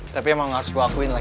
tapi emang harus gue akuin lagi